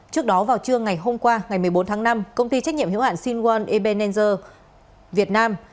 trước đó vào trưa ngày hôm qua ngày một mươi bốn tháng năm công ty trách nhiệm hiểu hạn sinwon ebenezer việt nam